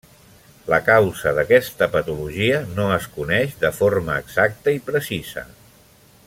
La causa d'aquesta patologia no es coneix de forma exacta i precisa.